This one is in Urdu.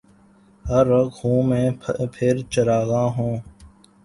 ہر رگ خوں میں پھر چراغاں ہو